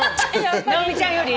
直美ちゃんより？